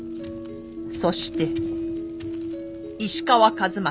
そして石川数正